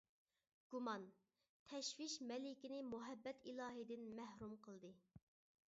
گۇمان، تەشۋىش مەلىكىنى مۇھەببەت ئىلاھىدىن مەھرۇم قىلدى.